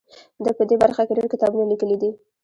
ده په دې برخه کې ډیر کتابونه لیکلي دي.